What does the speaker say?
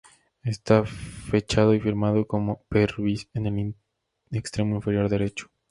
Está fechado y firmado como "P. Ruiz" en el extremo inferior derecho.